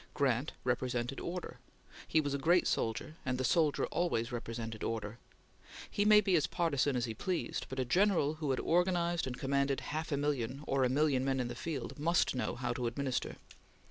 Grant represented order. He was a great soldier, and the soldier always represented order. He might be as partisan as he pleased, but a general who had organized and commanded half a million or a million men in the field, must know how to administer.